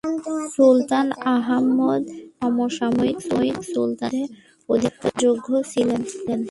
সুলতান আহমেদ তার সমসাময়িক সুলতানদের মধ্যে অধিকতর যোগ্য ছিলেন।